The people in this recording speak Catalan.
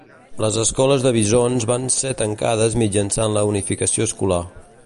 Les escoles de bisons van ser tancades mitjançant la unificació escolar.